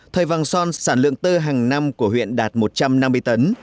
thời vàng son sản lượng tơ hàng năm của huyện đạt một trăm năm mươi tấn